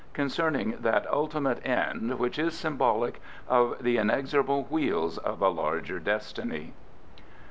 Concerning that ultimate end which is symbolic of the inexorable wheels of a larger Destiny.